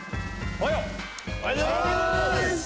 おはようございます！